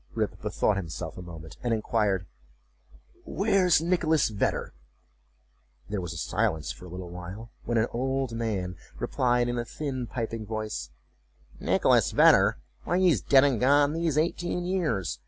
Rip bethought himself a moment, and inquired, "Where's Nicholas Vedder?"There was a silence for a little while, when an old man replied, in a thin piping voice, "Nicholas Vedder! why, he is dead and gone these eighteen years!